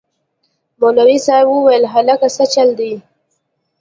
مولوي صاحب وويل هلکه سه چل دې.